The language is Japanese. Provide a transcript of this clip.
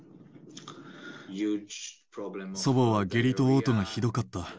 祖母は下痢とおう吐がひどかった。